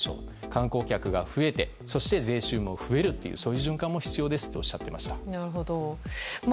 観光客が増えて、そして税収も増えるという循環も必要とおっしゃっていました。